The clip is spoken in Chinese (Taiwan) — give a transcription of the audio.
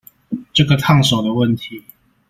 這個燙手的問題